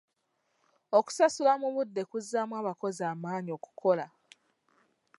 Okusasula mu budde kuzzaamu abakozi amaanyi okukola.